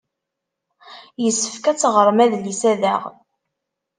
Yessefk ad teɣrem adlis-a daɣ.